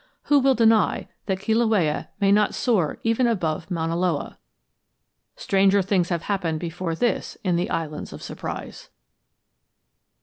Who will deny that Kilauea may not soar even above Mauna Loa? Stranger things have happened before this in the Islands of Surprise.